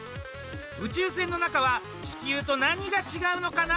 宇宙船の中は地球と何が違うのかな？